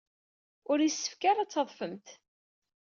Ur yessefk ara ad d-tadfemt.